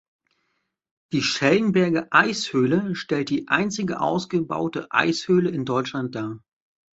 Die Schellenberger Eishöhle stellt die einzige ausgebaute Eishöhle in Deutschland dar.